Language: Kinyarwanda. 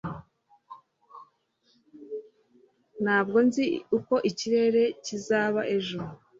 ntabwo nzi uko ikirere kizaba ejo